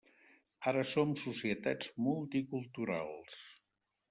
Ara som societats multiculturals.